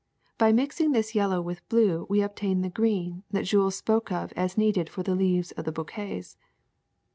By mixing this yellow with blue we obtain the green that Jules spoke of as needed for the leaves of the bouquets.